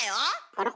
あら。